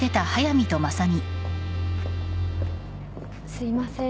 すいません